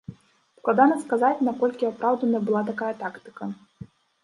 Складана сказаць, наколькі апраўданай была такая тактыка.